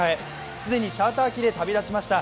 既にチャーター機で旅立ちました。